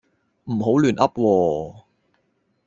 唔好亂噏喎